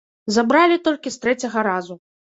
Забралі толькі з трэцяга разу.